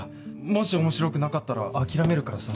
もし面白くなかったら諦めるからさ。